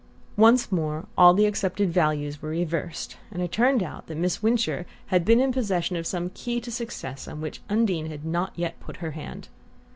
Once more all the accepted values were reversed, and it turned out that Miss Wincher had been in possession of some key to success on which Undine had not yet put her hand.